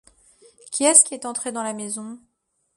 Qui est-ce qui est entré dans la maison ?